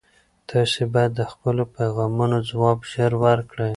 تاسي باید د خپلو پیغامونو ځواب ژر ورکړئ.